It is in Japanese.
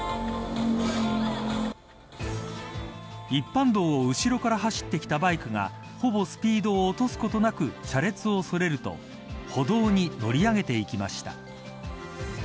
一般道を後ろから走ってきたバイクがほぼスピードを落とすことなく車列をそれると歩道に乗り上げてきました。